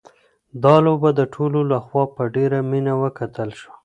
دا لوبه د ټولو لخوا په ډېره مینه وکتل شوه.